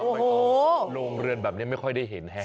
โรงเรือนแบบนี้ไม่ค่อยได้เห็น